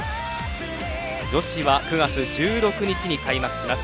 女子は９月１６日に開幕します。